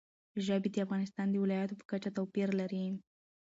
ژبې د افغانستان د ولایاتو په کچه توپیر لري.